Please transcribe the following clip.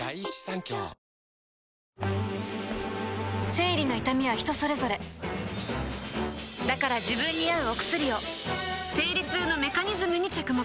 生理の痛みは人それぞれだから自分に合うお薬を生理痛のメカニズムに着目